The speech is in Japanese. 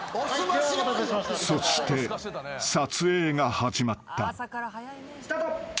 ［そして撮影が始まった］スタート。